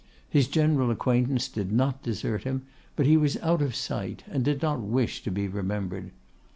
His general acquaintance did not desert him, but he was out of sight, and did not wish to be remembered.